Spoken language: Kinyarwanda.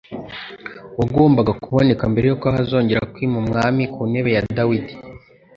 uwagombaga kuboneka mbere y'uko hazongera kwima umwami ku ntebe ya Dawidi.